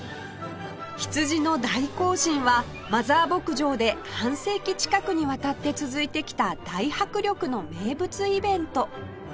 ひつじの大行進はマザー牧場で半世紀近くにわたって続いてきた大迫力の名物イベント